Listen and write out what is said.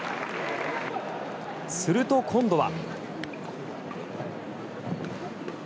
すると今度は。